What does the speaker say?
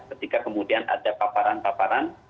ketika kemudian ada paparan paparan